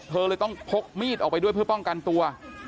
เธอเลยต้องพกมีดออกไปด้วยเพื่อป้องกันตัว